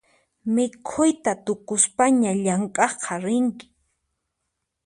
Mikhuyta tukuspaña llamk'aqqa rinki